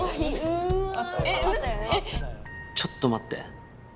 ちょっと待って。